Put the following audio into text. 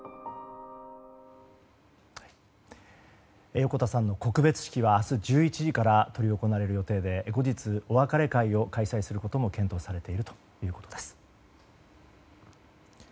横田さんの告別式は明日１１時から執り行われる予定で後日、お別れ会を開催することも検討されているということです。